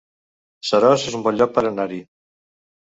Seròs es un bon lloc per anar-hi